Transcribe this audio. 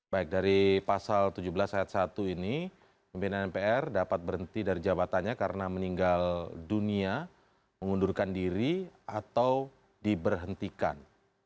baik dari pasal tujuh belas ayat satu ini pimpinan mpr dapat berhenti dari jabatannya karena meninggal dunia mengundurkan diri atau diberhentikan